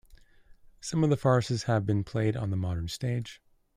Some of his farces have been played on the modern stage.